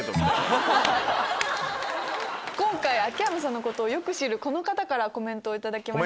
今回秋山さんのことをよく知るこの方からコメント頂きました。